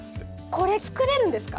これ作れるんですか？